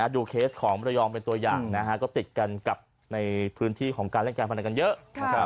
เคสของมรยองเป็นตัวอย่างก็ติดกันกับในพื้นที่ของการเล่นการพนันกันเยอะ